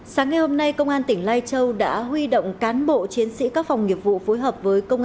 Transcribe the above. sáng ngày hôm nay công an tỉnh lai châu đã huy động cán bộ chiến sĩ các phòng nghiệp vụ